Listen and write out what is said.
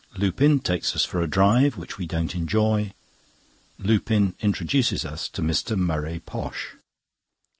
Lupin takes us for a drive, which we don't enjoy. Lupin introduces us to Mr. Murray Posh.